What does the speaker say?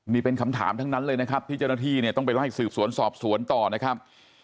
นี่เป็นคำถามทั้งนั้นเลยนะครับที่เจ้าหน้าที่เนี่ยต้องไปไล่สืบสวนสอบสวนต่อนะครับ